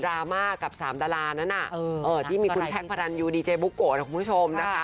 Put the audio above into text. รามากับสามดารานั้นน่ะที่มีคุณแท็กพารันยูดีเจบุ๊กโกะนะคุณผู้ชม